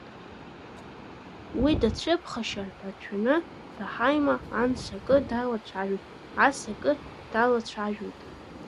Уи дацәыԥхашьар ҳәа дшәаны, Раҳаима анс акы далацәажәоит, ас акы далацәажәоит.